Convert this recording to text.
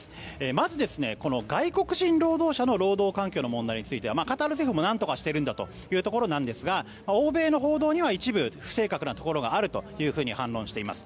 まず、外国人労働者の労働環境についてはカタール政府も何とかしているんだというところですが欧米の報道には一部、不正確なところがあると反論しています。